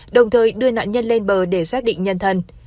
đồng thời đưa nạn nhân lên bờ để xác định nhân thân